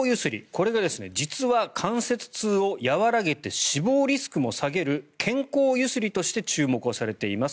これが実は関節痛を和らげて死亡リスクも下げる健康揺すりとして注目されています。